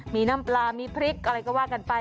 มีน้ำปลามีพริกอะไรก็ว่ากันไป